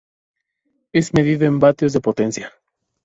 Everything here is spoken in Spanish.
Es medido en vatios de potencia.